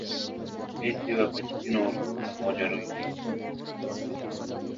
Messi va Pochettino o‘rtasida mojaro yuzaga keldi